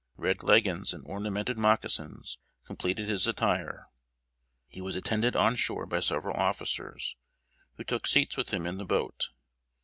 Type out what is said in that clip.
Red leggins and ornamented moccasins completed his attire. He was attended on shore by several officers, who took seats with him in the boat.